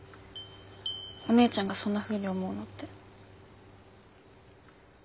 お姉ちゃんがそんなふうに思うのって。